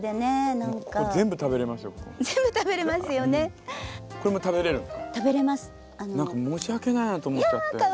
何か申し訳ないなと思っちゃって。